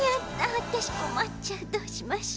わたしこまっちゃうどうしましょ。